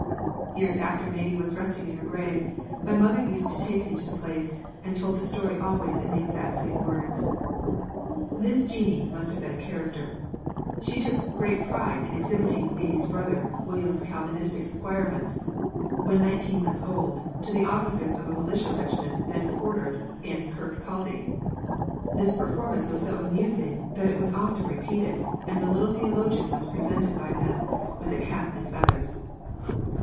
Years after Maidie was resting in her grave, my mother used to take me to the place, and told the story always in the exact same words." This Jeanie must have been a character. She took great pride in exhibiting Maidie's brother William's Calvinistic acquirements when nineteen months old, to the officers of a militia regiment then quartered in Kirkcaldy. This performance was so amusing that it was often repeated, and the little theologian was presented by them with a cap and feathers.